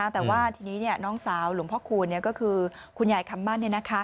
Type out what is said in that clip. แต่ว่านี้คุณนางสาวหลวงพระคู๋คุณใหญ่คำมั่น